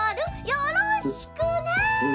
よろしくね」。